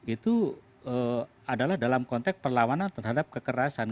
itu adalah dalam konteks perlawanan terhadap kekerasan